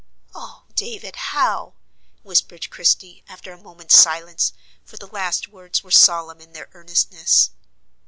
"Oh, David, how?" whispered Christie after a moment's silence, for the last words were solemn in their earnestness.